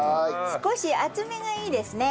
少し厚めがいいですね。